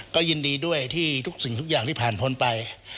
ก็ยินดีด้วยที่ทุกสิ่งทุกอย่างที่ผ่านพ้นไป